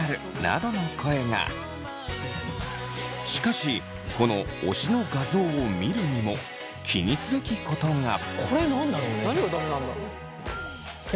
しかしこの推しの画像を見るにも気にすべきことが。